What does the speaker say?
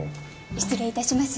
失礼いたします。